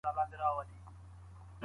چي یې زور د مټو نه وي تل زبون دی